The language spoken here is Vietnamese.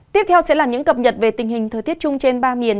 tiếp theo sẽ là những cập nhật về tình hình thời tiết chung trên ba miền